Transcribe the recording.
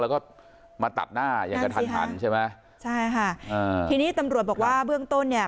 แล้วก็มาตัดหน้าอย่างกระทันหันใช่ไหมใช่ค่ะอ่าทีนี้ตำรวจบอกว่าเบื้องต้นเนี่ย